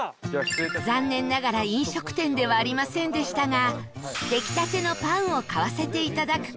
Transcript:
残念ながら飲食店ではありませんでしたが出来たてのパンを買わせていただく事に